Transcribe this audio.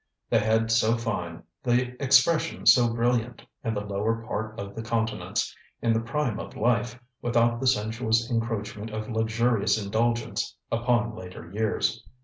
The head so fine, the expression so brilliant, and the lower part of the countenance, in the prime of life, without the sensuous encroachment of luxurious indulgence upon later years.